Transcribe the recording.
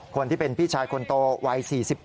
คนที่เป็นพี่ชายคนโตวัย๔๗